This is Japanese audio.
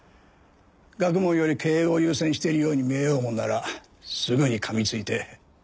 学問より経営を優先しているように見えようものならすぐに噛みついて。